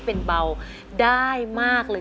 กินข้าวนำกัน